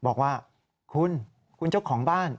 บอกว่าคุณคุณเจ้าของบ้าน